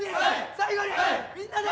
最後にみんなで。